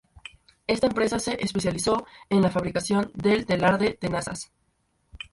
Está empresa se especializó en la fabricación del telar de tenazas.